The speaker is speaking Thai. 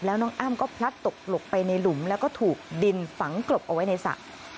แล้วน้องอ้ำก็พลัดตกหลบไปในหลุมแล้วก็ถูกดินฝังกลบเอาไว้ในสระ